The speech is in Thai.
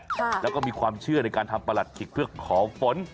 แล้วก็มีความเชื่อในการทำประหลัดขิกเพื่อขอฝน